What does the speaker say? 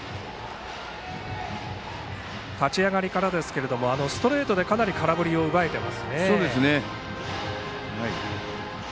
立ち上がりからですがストレートでかなり空振りを奪えています。